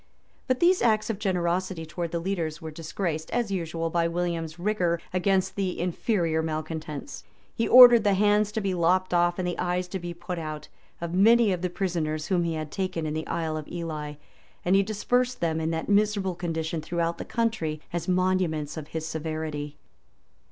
But these acts of generosity towards the leaders were disgraced, as usual, by William's rigor against the inferior malecontents. He ordered ihe hands to be lopped off, and the eyes to be put out, of many of the prisoners whom he had taken in the Isle of Ely; and he dispersed them in that miserable condition throughout the country, as monuments of his severity.